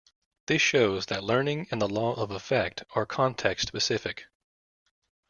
This shows that learning and the law of effect are context-specific.